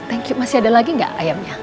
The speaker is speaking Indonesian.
thank you masih ada lagi nggak ayamnya